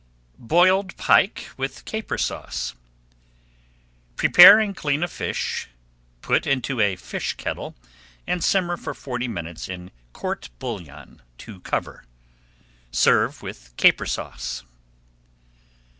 BOILED PIKE WITH CAPER SAUCE Prepare and clean a fish, put into a fish kettle, and simmer for forty minutes in court bouillon to cover. Serve with Caper Sauce.